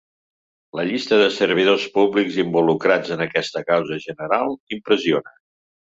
La llista de servidors públics involucrats en aquesta causa general impressiona.